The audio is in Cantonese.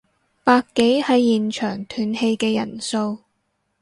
百幾係現場斷氣嘅人數